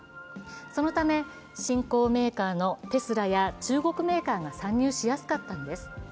そのため、新興メーカーのテスラや中国メーカーが参入しやすかったんです。